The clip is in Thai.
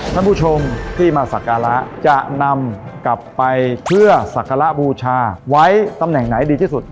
ท่านผู้ชมที่มาสักการะจะนำกลับไปเพื่อสักการะบูชาไว้ตำแหน่งไหนดีที่สุด